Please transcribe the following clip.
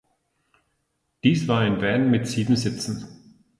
Dies war ein Van mit sieben Sitzen.